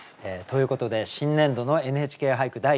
ということで新年度の「ＮＨＫ俳句」